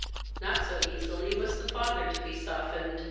Not so easily was the father to be softened.